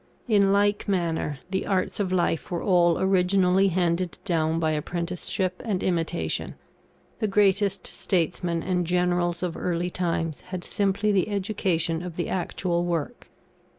In like manner, the arts of life were all originally handed down by apprenticeship and imitation. The greatest statesmen and generals of early times had simply the education of the actual work.